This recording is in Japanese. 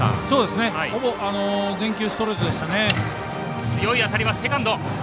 ほぼ、全球ストレートでしたね。